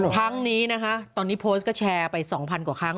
ครั้งนี้นะคะตอนนี้โพสต์ก็แชร์ไป๒๐๐กว่าครั้ง